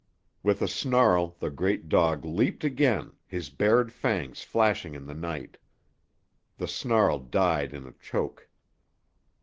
With a snarl the great dog leaped again, his bared fangs flashing in the night. The snarl died in a choke.